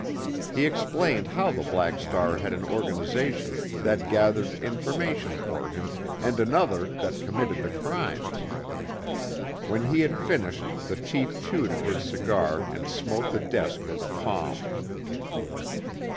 He explained how the Black Star had an organization that gathered information for him and another that committed the crimes. When he had finished the chief chewed at his cigar and smote the desk with a palm.